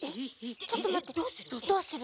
ちょっとまってどうする？